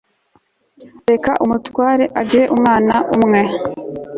reka umutware agire umwana umwe